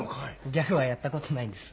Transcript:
ギャグはやったことないんです。